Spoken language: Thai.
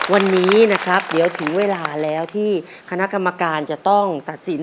วันนี้นะครับเดี๋ยวถึงเวลาแล้วที่คณะกรรมการจะต้องตัดสิน